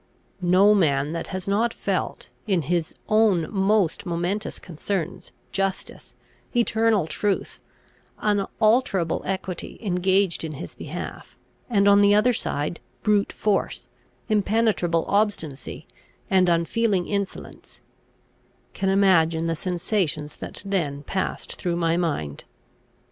No man that has not felt, in his own most momentous concerns, justice, eternal truth, unalterable equity engaged in his behalf, and on the other side brute force, impenetrable obstinacy, and unfeeling insolence, can imagine the sensations that then passed through my mind.